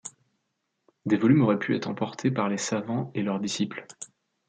Des volumes auraient pu être emportés par les savants et leurs disciples.